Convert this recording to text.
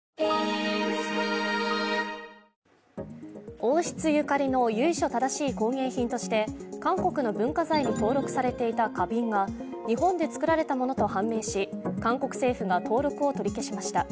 王室ゆかりの由緒正しい工芸品として韓国の文化財に登録されていた花瓶が日本で作られたものと判明し、韓国政府が登録を取り消しました。